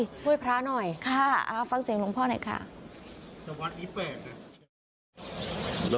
ด้วยพระหน่อยค่ะฟังเสียงหลวงพ่อหน่อยค่ะแต่วันนี้แปบน่ะ